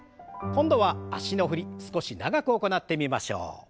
今度は脚の振り少し長く行ってみましょう。